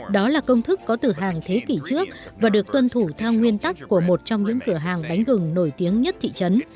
đó là công thức có từ hàng thế kỷ trước và được tuân thủ theo nguyên tắc của một trong những cửa hàng bánh gừng nổi tiếng nhất thị trấn